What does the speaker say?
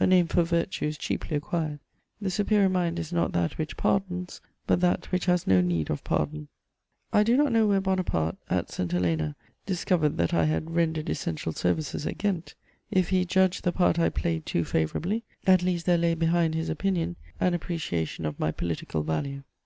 A name for virtue is cheaply acquired: the superior mind is not that which pardons, but that which has no need of pardon. I do not know where Bonaparte, at St. Helena, discovered that I had "rendered essential services at Ghent:" if he judged the part I played too favourably, at least there lay behind his opinion an appreciation of my political value.